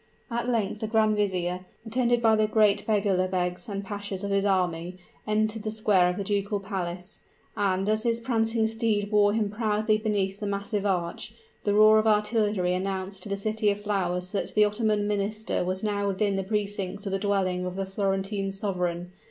At length the grand vizier, attended by the great beglerbegs and pashas of his army, entered the square of the ducal palace; and as his prancing steed bore him proudly beneath the massive arch, the roar of artillery announced to the City of Flowers that the Ottoman Minister was now within the precincts of the dwelling of the Florentine sovereign.